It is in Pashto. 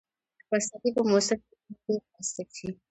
د پسرلي په موسم کې کلى ډېر ښايسته شي.